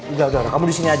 udah udah kamu disini aja